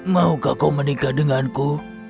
maukah kau menikah denganku